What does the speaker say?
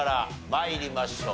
参りましょう。